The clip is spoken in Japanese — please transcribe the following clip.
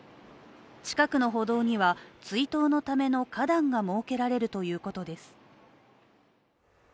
近くの歩道には追悼のための花壇が設けられるということです。